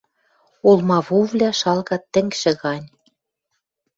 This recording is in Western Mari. Олмавувлӓ шалгат тӹнгшӹ гань.